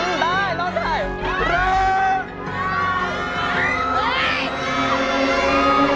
ร้องได้ร้องได้ร้อง